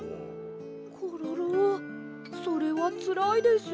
コロロそれはつらいです。